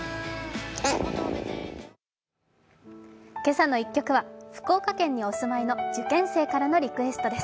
「けさの１曲」は福岡県にお住まいの受験生からのリクエストです。